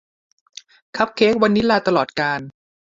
คัพเค้กวานิลลาตลอดกาล